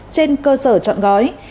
trên cơ sở trọng gói